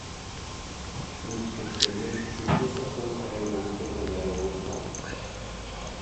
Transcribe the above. Мүрт кеткендер Чүйдүн Сокулук районунун тургундары болушкан.